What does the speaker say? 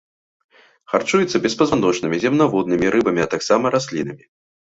Харчуюцца беспазваночнымі, земнаводнымі, рыбамі, а таксама раслінамі.